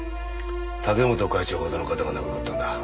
武本会長ほどの方が亡くなったんだ。